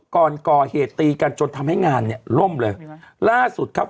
ก่อนก่อเหตุตีกันจนทำให้งานเนี่ยล่มเลยล่าสุดครับ